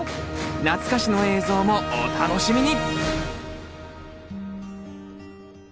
懐かしの映像もお楽しみに！